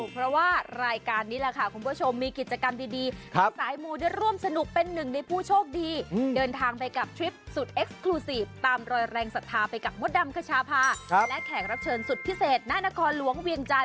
เพราะว่ารายการนี้แหละค่ะคุณผู้ชมมีกิจกรรมดี